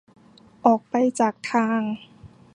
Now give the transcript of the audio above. ออกไปจากทาง